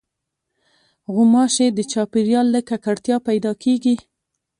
غوماشې د چاپېریال له ککړتیا پیدا کېږي.